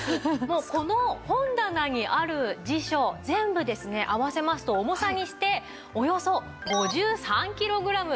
もうこの本棚にある辞書全部ですね合わせますと重さにしておよそ５３キログラム。